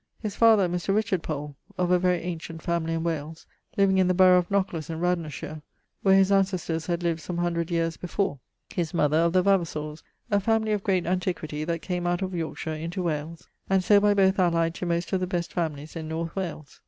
His father, Mr. Richard Powell, of a very ancient family in Wales, living in the burough of Knocklas in Radnorshire, where his ancestors had lived some 100 yeares before; his mother of the Vavasors, a family of great antiquity, that came out of Yorkshire into Wales: and so by both allyed to most of the best families in North Wales.